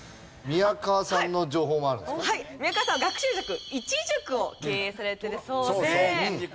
宮川さんは学習塾「いち塾」を経営されているそうで。